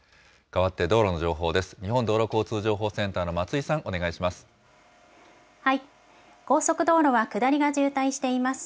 かわって道路の情報です。